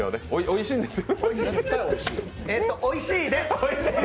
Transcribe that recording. おいしいです！